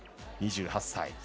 ２８歳。